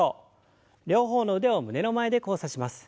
両方の腕を胸の前で交差します。